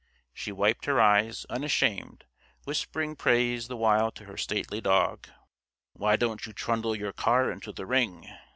She wiped her eyes, unashamed, whispering praise the while to her stately dog. "Why don't you trundle your car into the ring?"